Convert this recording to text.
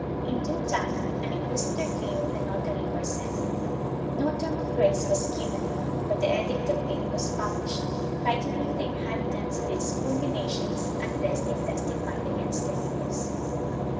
In due time an inquisitor came with the notary Barcena. No Term of Grace was given, but the Edict of Faith was published, frightening the inhabitants with its fulminations unless they testified against their neighbors.